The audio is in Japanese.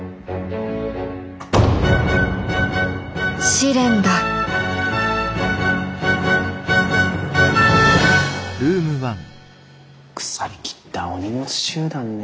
試練だ腐りきったお荷物集団ね。